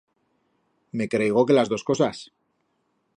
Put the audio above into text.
Me creigo que las dos cosas.